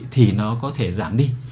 thì nó có thể giảm đi